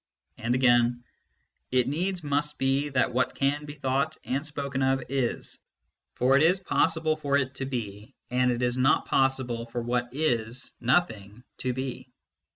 And again : "It needs must be that what can be thought and spoken of is ; for it is possible for it to be, and it is not possible for what is nothing to be."